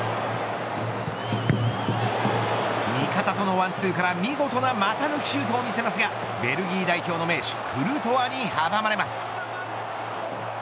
味方とのワンツーから見事な股抜きシュートを見せますがベルギー代表の名手クルトワに阻まれます。